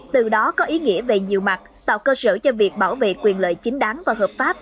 từ đó có ý nghĩa về nhiều mặt tạo cơ sở cho việc bảo vệ quyền lợi chính đáng và hợp pháp